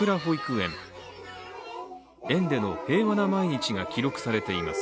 園での平和な毎日が記録されています。